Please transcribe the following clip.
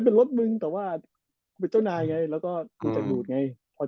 เป็นรถมึงแต่ว่าเป็นเจ้านายไงแล้วก็จัดดูดไงพอใจเปล่า